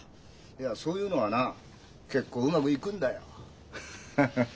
いやそういうのはな結構うまくいくんだよハハハ。